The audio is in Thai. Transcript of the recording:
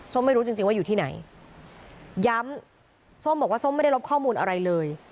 ไม่รู้จริงจริงว่าอยู่ที่ไหนย้ำส้มบอกว่าส้มไม่ได้ลบข้อมูลอะไรเลย